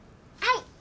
はい！